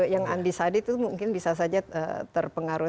yang undecided itu mungkin bisa saja terpengaruh